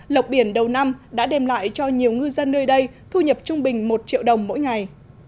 lộc biển đầu năm đã đem lại cho nhiều ngư dân nơi đây thu nhập trung bình một triệu đồng mỗi ngày